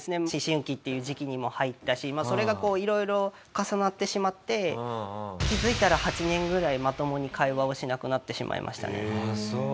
思春期っていう時期にも入ったしそれがこう色々重なってしまって気づいたら８年ぐらいまともに会話をしなくなってしまいましたね。